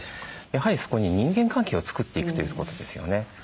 やはりそこに人間関係を作っていくというところですよね。